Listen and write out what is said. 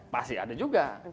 masih ada juga